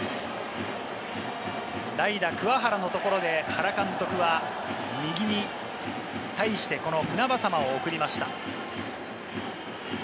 代打・桑原のところで、原監督は右に対してこの船迫を送りました。